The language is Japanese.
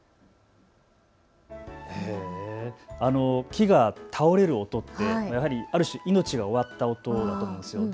木が倒れる音ってやはりある種命が終わった音だと思うんですよね。